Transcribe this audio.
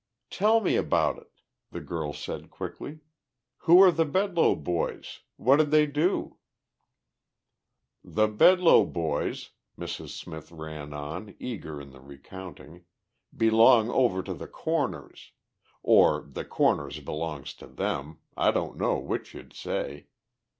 "Tell me about it," the girl said quickly. "Who are the Bedloe boys? What did they do?" "The Bedloe boys," Mrs. Smith ran on, eager in the recounting, "belong over to the Corners. Or the Corners belongs to them, I don't know which you'd say.